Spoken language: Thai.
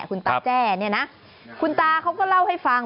คุณตาแจ้เนี่ยนะคุณตาเขาก็เล่าให้ฟัง